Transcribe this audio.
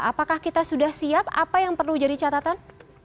apakah kita sudah siap apa yang perlu jadi catatan